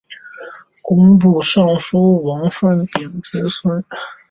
工部尚书王舜鼎之孙。